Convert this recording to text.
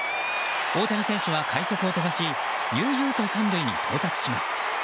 大谷選手は快足を飛ばし悠々と３塁に到達します。